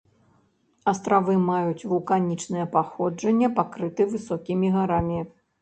Астравы маюць вулканічнае паходжанне, пакрыты высокімі гарамі.